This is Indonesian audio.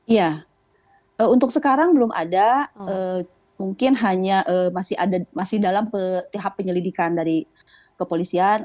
iya untuk sekarang belum ada mungkin hanya masih dalam tahap penyelidikan dari kepolisian